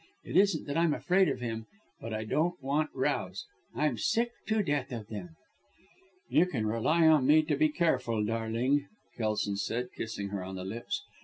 It isn't that I'm afraid of him but I don't want rows I'm sick to death of them!" "You can rely on me to be careful, darling!" Kelson said, kissing her on the lips.